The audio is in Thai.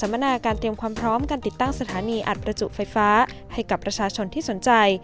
เพื่อเตรียมพร้อมรองรับการใช้งานของประชาชนนะครับ